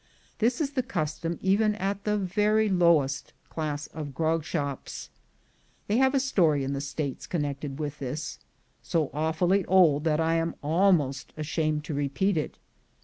This is the custom even at the very lowest class of grogshops. They have a story in the States connected with this, so awfully old that I am almost ashamed to repeat it.